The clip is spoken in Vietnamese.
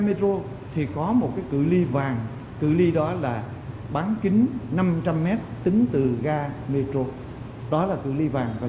metro thì có một cái cử ly vàng cử ly đó là bán kính năm trăm linh m tính từ ga metro đó là cử ly vàng và